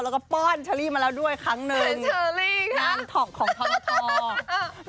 แล้วก็ป้อนเชอรี่มาแล้วด้วยครั้งหนึ่งนั่นท็อกของท้อไม่อยากจะโม้เลย